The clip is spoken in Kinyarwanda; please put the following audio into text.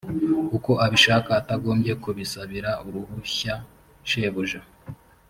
uko abishaka atagombye kubisabira uruhushya shebuja